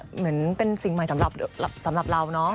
เหมือนเป็นสิ่งใหม่สำหรับเราเนาะ